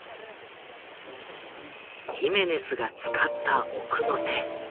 ヒメネスが使った奥の手。